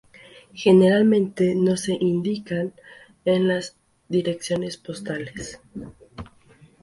Generalmente no se indican en las direcciones postales.